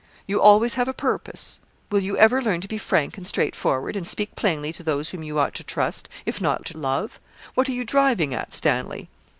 You always have a purpose will you ever learn to be frank and straightforward, and speak plainly to those whom you ought to trust, if not to love? What are you driving at, Stanley?'